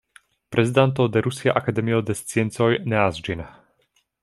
Prezidanto de Rusia Akademio de Sciencoj neas ĝin.